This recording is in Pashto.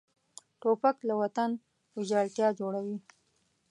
توپک له وطن ویجاړتیا جوړوي.